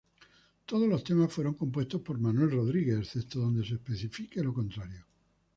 Todos los temas fueron compuestos por Manuel Rodríguez, excepto donde se especifique lo contrario.